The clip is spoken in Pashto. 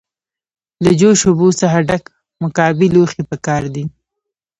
له جوش اوبو څخه ډک مکعبي لوښی پکار دی.